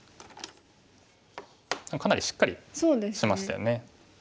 かなりしっかりしましたよね。